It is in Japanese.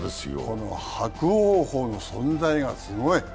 この伯桜鵬の存在がすごい。